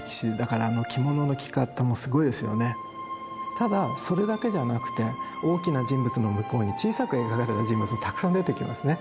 ただそれだけじゃなくて大きな人物の向こうに小さく描かれた人物がたくさん出てきますね。